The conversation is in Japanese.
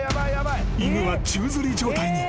［犬は宙づり状態に］